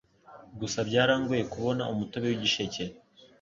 Gusa byarangoye kubona umutobe w'igisheke